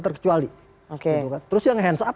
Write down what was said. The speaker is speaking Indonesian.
terkecuali oke terus yang hands up